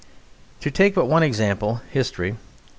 To take but one example: history.